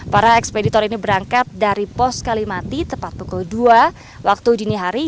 para ekspeditor ini berangkat dari pos kalimati tepat pukul dua waktu dini hari